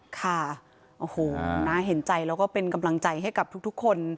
ค่ะโอ้โหน่าเห็นใจแล้วก็เป็นกำลังใจให้กับทุกคน